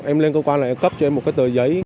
em lên cơ quan là cấp cho em một cái tờ giấy